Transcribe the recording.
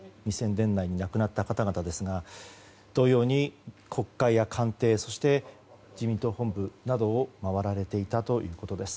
２０００年代に亡くなった方々ですが同様に国会や官邸自民党本部などを回られていたということです。